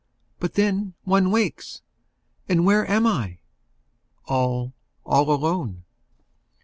But then one wakes, and where am I? All, all alone.